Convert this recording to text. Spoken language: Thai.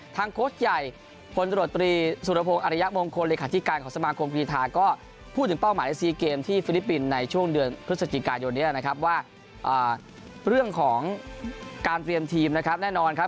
โค้ชใหญ่พลตรวจตรีสุรพงศ์อริยมงคลเลขาธิการของสมาคมกีธาก็พูดถึงเป้าหมายใน๔เกมที่ฟิลิปปินส์ในช่วงเดือนพฤศจิกายนนี้นะครับว่าเรื่องของการเตรียมทีมนะครับแน่นอนครับ